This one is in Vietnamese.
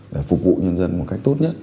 để phục vụ nhân dân một cách tốt nhất